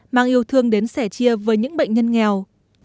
mang yêu thương đến sẻ chia với những bệnh nhân nghèo